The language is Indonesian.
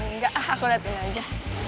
enggak aku liatin aja